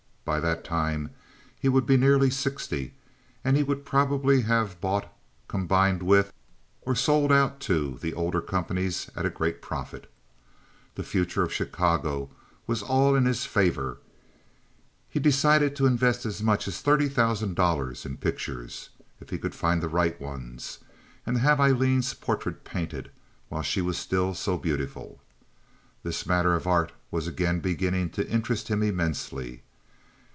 By that time he would be nearly sixty, and he would probably have bought, combined with, or sold out to the older companies at a great profit. The future of Chicago was all in his favor. He decided to invest as much as thirty thousand dollars in pictures, if he could find the right ones, and to have Aileen's portrait painted while she was still so beautiful. This matter of art was again beginning to interest him immensely.